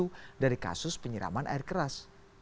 kepada penyelidikan kasus penyiraman air keras